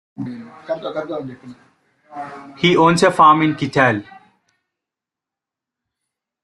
He owns a farm in Kitale.